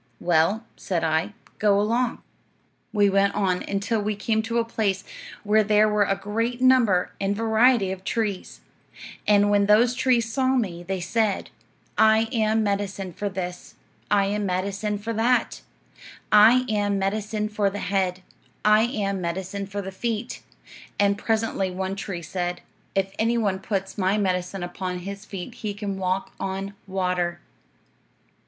'Well,' said I, 'go along.' "We went on until we came to a place where there were a great number and variety of trees; and when those trees saw me, they said, 'I am medicine for this;' 'I am medicine for that;' 'I am medicine for the head;' 'I am medicine for the feet;' and presently one tree said, 'If any one puts my medicine upon his feet he can walk on water.'